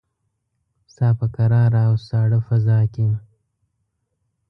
ستا په کراره او ساړه فضاکې